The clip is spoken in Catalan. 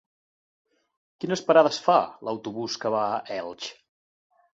Quines parades fa l'autobús que va a Elx?